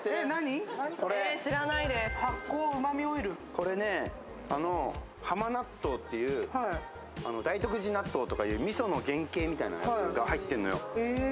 これね、浜納豆という、大徳寺納豆とかみたいなみその原型みたいなやつが入ってんのよ。